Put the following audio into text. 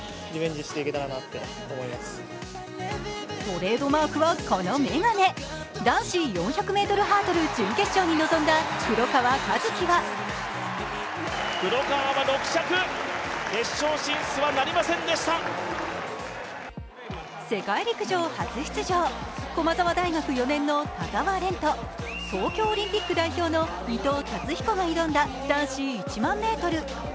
トレードマークはこの眼鏡男子４００ｍハードル準決勝に臨んだ黒川和樹は世界陸上初出場、駒沢大学４年の田澤廉と東京オリンピック代表の伊藤達彦が挑んだ男子１００００ｍ。